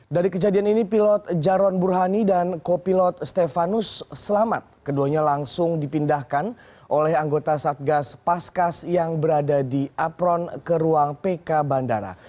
dari kejadian ini pilot jaron burhani dan kopilot stefanus selamat keduanya langsung dipindahkan oleh anggota satgas paskas yang berada di apron ke ruang pk bandara